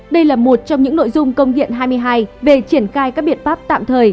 đây là một trong những nội dung công điện hai mươi hai về triển khai các biện pháp tạm thời